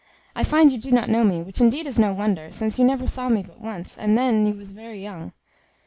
I find you do not know me, which indeed is no wonder, since you never saw me but once, and then you was very young.